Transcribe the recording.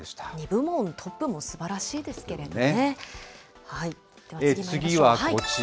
２部門トップもすばらしいですけどね。